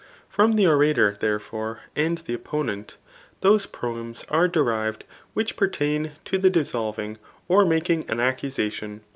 From the orator, therefore, and the opponent, those proems are derived which pertain to the dissolving or making an accusation.